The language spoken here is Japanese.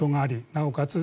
なおかつ